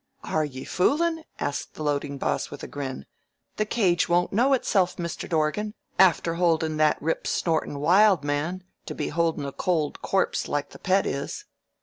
"Are ye foolin'?" asked the loading boss with a grin. "The cage won't know itself, Mister Dorgan, afther holdin' that rip snortin' Wild Man to be holdin' a cold corpse like the Pet is."